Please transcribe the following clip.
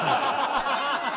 ハハハハ！